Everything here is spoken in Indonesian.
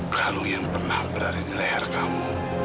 kalau yang pernah berada di leher kamu